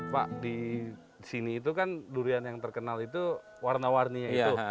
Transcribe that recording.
pak di sini itu kan durian yang terkenal itu warna warninya itu